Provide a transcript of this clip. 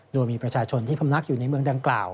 โดยมีประชาชนที่พำนักอยู่ในเมืองดังกล่าว